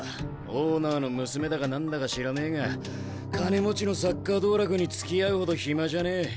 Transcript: オーナーの娘だか何だか知らねえが金持ちのサッカー道楽につきあうほど暇じゃねえ。